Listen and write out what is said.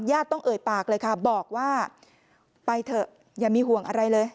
ต้องเอ่ยปากเลยค่ะบอกว่าไปเถอะอย่ามีห่วงอะไรเลย